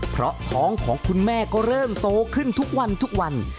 เพราะท้องของคุณแม่ก็เริ่มโตขึ้นทุกวันทุกวัน